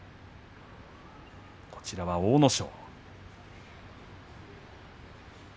こちらは阿武咲。